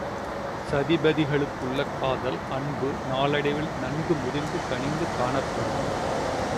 சதிபதிகளுக்குள்ள காதல் அன்பு நாளடைவில் நன்கு முதிர்ந்து கனிந்து காணப்படும்.